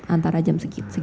antara jam segitu